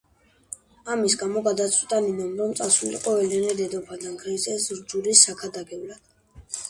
ამის გამო გადაწყვიტა ნინომ, რომ წასულიყო ელენე დედოფალთან ქრისტეს რჯულის საქადაგებლად.